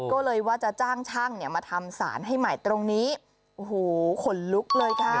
ก็เลยว่าจะจ้างช่างเนี่ยมาทำสารให้ใหม่ตรงนี้โอ้โหขนลุกเลยค่ะ